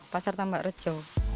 pasar tambak rejau